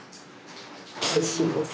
おいしいです。